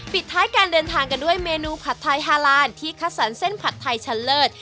ปิดท้ายการเดินทางกันด้วยเมนูผัดไทยฮาลานที่คัดสรรเส้นผัดไทยชั้นเลิศ